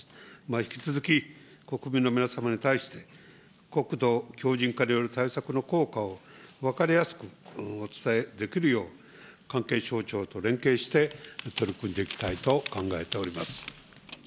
引き続き、国民の皆様に対して、国土強じん化による対策の効果を分かりやすくお伝えできるよう、関係省庁と連携して、取り組んでいきたいと考えております。